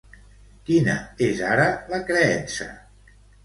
Quina és ara la creença?